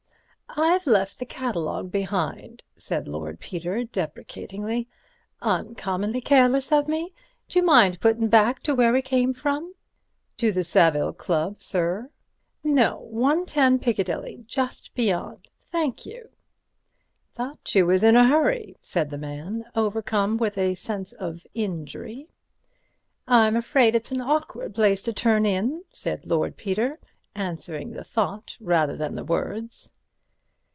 "I've left the catalogue behind," said Lord Peter deprecatingly, "uncommonly careless of me. D'you mind puttin' back to where we came from?" "To the Savile Club, sir?" "No—110 Piccadilly—just beyond—thank you." "Thought you was in a hurry," said the man, overcome with a sense of injury. "I'm afraid it's an awkward place to turn in," said Lord Peter, answering the thought rather than the words.